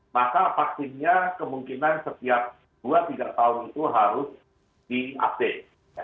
maka vaksinnya kemungkinan setiap dua tiga tahun itu harus diupdate